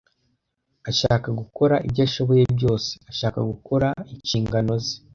Ashaka gukora ibyo ashoboye byose; ashaka gukora inshingano ze.